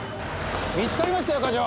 見つかりましたよ課長。